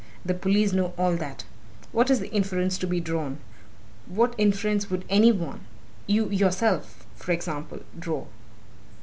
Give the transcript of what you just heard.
The police know all that. What is the inference to be drawn? What inference would any one you yourself, for example draw?"